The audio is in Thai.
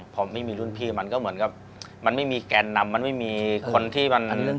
พอไม่มีรุ่นพี่มันก็เหมือนกับมันไม่มีแกนนำมันไม่มีคนที่มัน